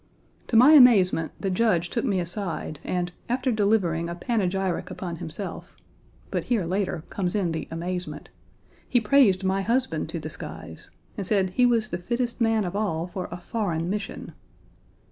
To my amazement the Judge took me aside, and, after delivering a panegyric upon himself (but here, later, comes in the amazement), he praised my husband to the skies, and said he was the fittest man of all for a foreign mission.